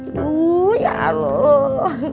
aduh ya allah